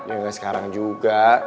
ya enggak sekarang juga